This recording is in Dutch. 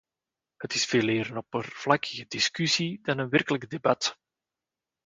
Het is veeleer een oppervlakkige discussie dan een werkelijk debat.